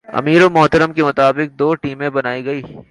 امیر محترم کے حکم کے مطابق دو ٹیمیں بنائی گئیں ۔